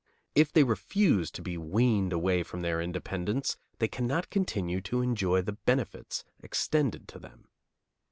If they refuse to be weaned away from their independence they cannot continue to enjoy the benefits extended to them.